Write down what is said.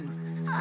あ。